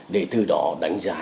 để từ đó đánh giá